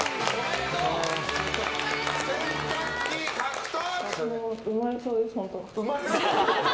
洗濯機獲得！